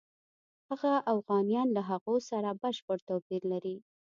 هغه اوغانیان له هغو سره بشپړ توپیر لري.